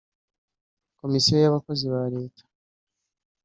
Komisiyo y’abakozi ba Leta